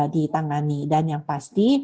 ditangani dan yang pasti